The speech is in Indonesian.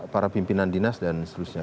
para pimpinan dinas dan seterusnya